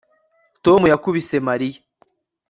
Tom yakubise Mariya